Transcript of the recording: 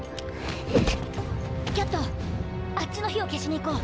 キャットあっちの火を消しに行こう。